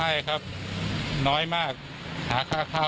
ค่ายแค๊บก็ยังลำบากเลย